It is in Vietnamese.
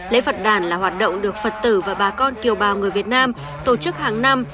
lễ phật đàn là hoạt động được phật tử và bà con kiều bào người việt nam tổ chức hàng năm